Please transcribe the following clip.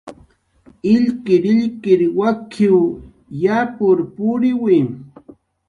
"Illkirillkir wak""iw yapur puriwi"